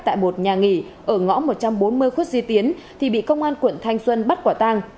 tại một nhà nghỉ ở ngõ một trăm bốn mươi khuất duy tiến thì bị công an quận thanh xuân bắt quả tang